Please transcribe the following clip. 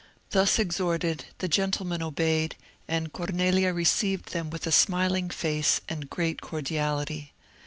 Thus exhorted, the gentlemen obeyed, and Cornelia received them with a smiling face and great cordiality.